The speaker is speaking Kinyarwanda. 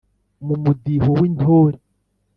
mu mudiho w’intore